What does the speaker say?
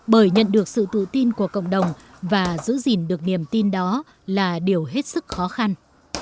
bởi nhận được sự tự tin của cộng đồng và giữ gìn được niềm tin đó là điều hết sức khó khăn